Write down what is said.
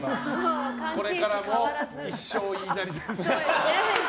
これからも一生、言いなりです。